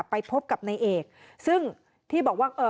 ไปพบกับนายเอกซึ่งที่บอกว่าเอ่อ